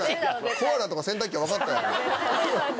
コアラとか洗濯機は分かったやろ。